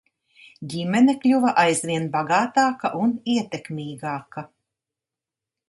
Ģimene kļuva aizvien bagātāka un ietekmīgāka.